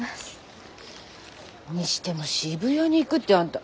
にしても渋谷に行くってあんた。